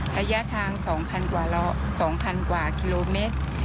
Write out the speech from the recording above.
ระยะทาง๒๐๐กว่ากิโลเมตร